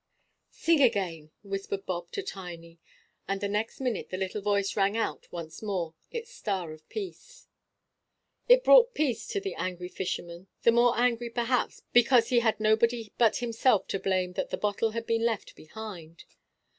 "Sing again," whispered Bob to Tiny; and the next minute the little voice rang out once more its "Star of Peace." It brought peace to the angry fisherman the more angry, perhaps, because he had nobody but himself to blame that the bottle had been left behind.